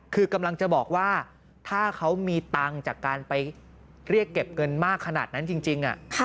คือกำลังจะบอกว่าถ้าเขามีตังค์จากการไปเรียกเก็บเงินมากขนาดนั้นจริง